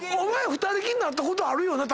２人きりになったことあるよな